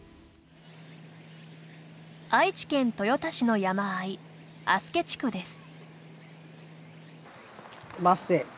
愛知県豊田市の山あい足助地区です。